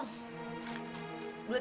ya sebentar ya bu